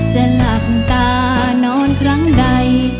จะหลับตานอนครั้งใด